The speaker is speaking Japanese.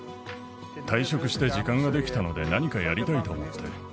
退職して時間ができたので何かやりたいと思って。